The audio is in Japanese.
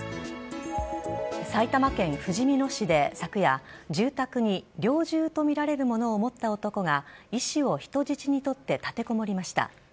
埼玉県ふじみ野市で昨夜住宅に猟銃とみられるものを持った男が医師を人質に取って立てこもりました。